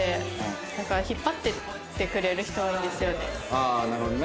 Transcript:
ああなるほどね。